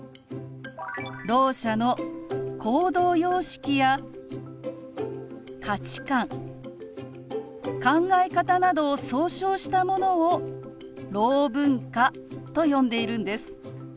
ろう者の行動様式や価値観考え方などを総称したものをろう文化と呼んでいるんです。